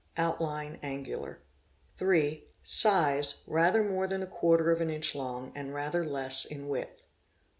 Outline angular. cae 3. Size, rather more than a quarter of an inch long, and rather less in width.